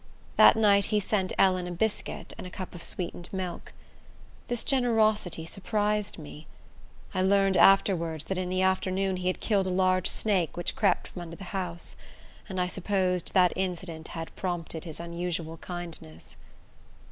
That night he sent Ellen a biscuit and a cup of sweetened milk. This generosity surprised me. I learned afterwards, that in the afternoon he had killed a large snake, which crept from under the house; and I supposed that incident had prompted his unusual kindness.